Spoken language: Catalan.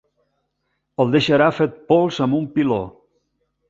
El deixarà fet pols amb un piló.